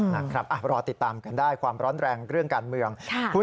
นะครับรอติดตามกันได้ความร้อนแรงเรื่องการเมือง